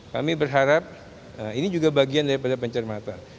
kami berharap ini juga bagian daripada pencermatan